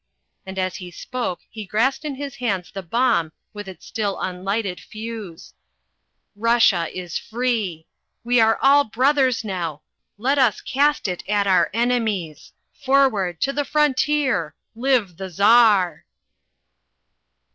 and as he spoke he grasped in his hands the bomb with its still unlighted fuse "Russia is free. We are all brothers now. Let us cast it at our enemies. Forward! To the frontier! Live the Czar."